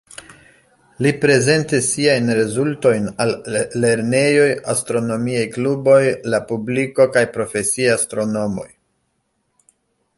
Li prezentis siajn rezultojn al lernejoj, astronomiaj kluboj, la publiko kaj profesiaj astronomoj.